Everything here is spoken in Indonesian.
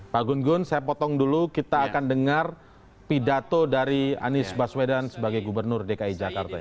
pak gun gun saya potong dulu kita akan dengar pidato dari anies baswedan sebagai gubernur dki jakarta